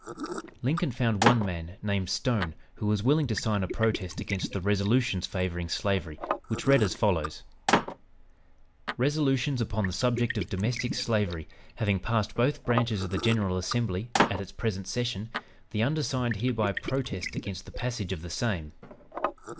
Lincoln found one man, named Stone, who was willing to sign a protest against the resolutions favoring slavery, which read as follows: "Resolutions upon the subject of domestic slavery having passed both branches of the General Assembly at its present session, the undersigned hereby protest against the passage of the same.